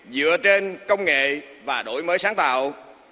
dựa trên công nghệ và đổi mới sáng tạo